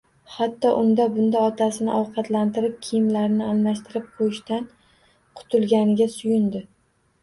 Hatto, unda-bunda otasini ovqatlantirib, kiyimlarini almashtirib qo`yishdan qutulganiga suyundi